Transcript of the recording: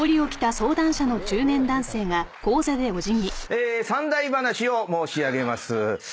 え三題噺を申し上げます。